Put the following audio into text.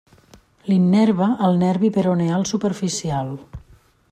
L'innerva el nervi peroneal superficial.